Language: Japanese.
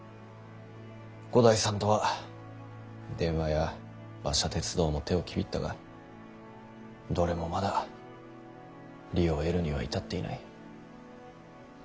五代さんとは電話や馬車鉄道も手をきびったがどれもまだ利を得るには至っていない。